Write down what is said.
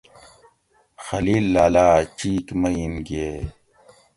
خلیل لالہ چِیک مئین گھیئگ